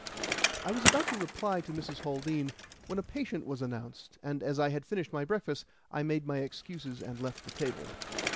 I was about to reply to Mrs. Haldean when a patient was announced, and, as I had finished my breakfast, I made my excuses and left the table.